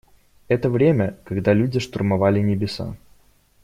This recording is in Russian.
Это время, когда люди штурмовали небеса.